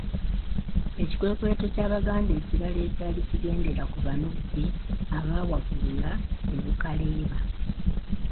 Ekikwekweto ky'Abaganda ekirala ekyali kigendera ku Banubbi abaawagulula e Bukaleeba.